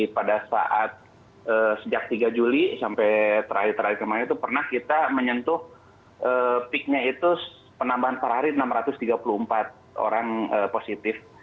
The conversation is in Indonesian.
pada saat sejak tiga juli sampai terakhir terakhir kemarin itu pernah kita menyentuh peaknya itu penambahan per hari enam ratus tiga puluh empat orang positif